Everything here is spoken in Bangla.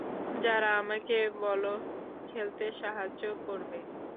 যারা আমাকে বল খেলতে সাহায্য করবে।